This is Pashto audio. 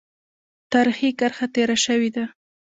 تاریخي کرښه تېره شوې ده.